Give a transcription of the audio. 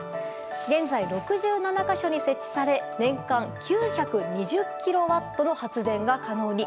現在６７か所に設置され年間９２０キロワットの発電が可能に。